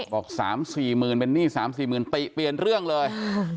บอก๓๔หมื่นเป็นหนี้๓๔หมื่นติเปลี่ยนเรื่องเลย